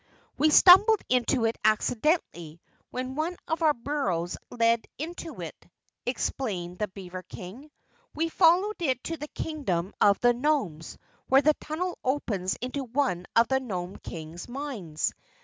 "We stumbled onto it accidentally when one of our burrows led into it," explained the beaver King. "We followed it to the Kingdom of the Nomes where the tunnel opens into one of the Nome King's mines.